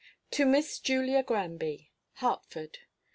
TO MISS JULIA GRANBY. HARTFORD.